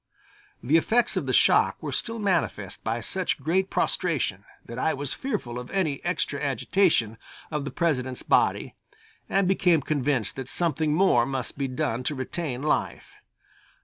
The effects of the shock were still manifest by such great prostration, that I was fearful of any extra agitation of the President's body, and became convinced that something more must be done to retain life.